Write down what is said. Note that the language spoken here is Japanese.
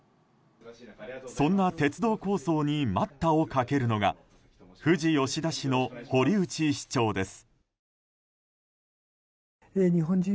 そんな鉄道構想に待ったをかけるのが富士吉田市の堀内市長です。